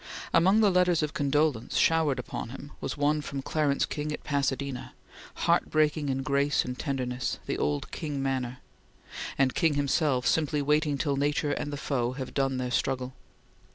Among the letters of condolence showered upon him was one from Clarence King at Pasadena, "heart breaking in grace and tenderness the old King manner"; and King himself "simply waiting till nature and the foe have done their struggle."